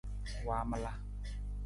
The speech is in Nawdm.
Waamala.